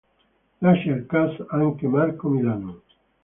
Lascia il cast anche Marco Milano.